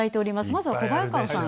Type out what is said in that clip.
まずは小早川さん